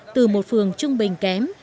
từ một phường trung bình kém